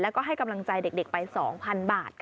แล้วก็ให้กำลังใจเด็กไป๒๐๐๐บาท